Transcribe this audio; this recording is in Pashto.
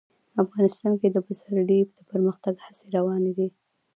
افغانستان کې د پسرلی د پرمختګ هڅې روانې دي.